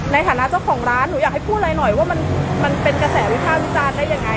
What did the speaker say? ในฐานะเจ้าของร้านหนูอยากให้พูดอะไรหน่อยว่ามันเป็นกระแสวิภาควิจารณ์ได้ยังไง